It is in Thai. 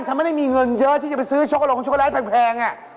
ฉันไม่ได้มีเงินเยอะที่จะไปซื้อชกลงโชคร้ายแพง